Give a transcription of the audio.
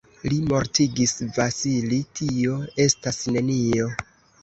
Li mortigis Vasili, tio estas nenio.